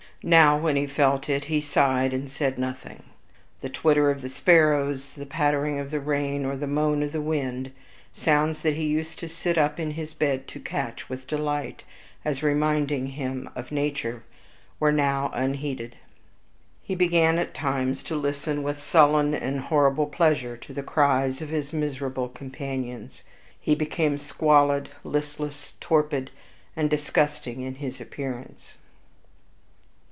Now when he felt it, he sighed and said nothing. The twitter of the sparrows, the pattering of rain, or the moan of the wind, sounds that he used to sit up in his bed to catch with delight, as reminding him of nature, were now unheeded. He began at times to listen with sullen and horrible pleasure to the cries of his miserable companions. He became squalid, listless, torpid, and disgusting in his appearance.